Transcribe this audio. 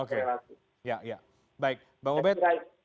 oke ya baik bang obed